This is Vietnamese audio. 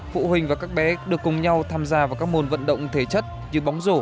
phụ huynh và các bé được cùng nhau tham gia vào các môn vận động thể chất như bóng rổ